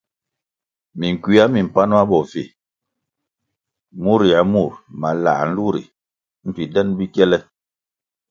Minkywia mi mpan ma bo vi mur yier mur malãh nlu ri mbpi den bikiele.